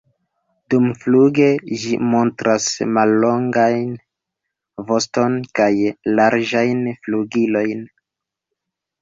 Dumfluge ĝi montras mallongajn voston kaj larĝajn flugilojn.